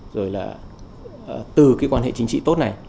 rồi là từ cái quan hệ chính trị tốt này